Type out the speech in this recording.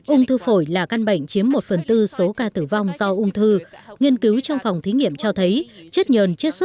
ung thư phổi là căn bệnh chiếm một phần tư số ca tử vong do ung thư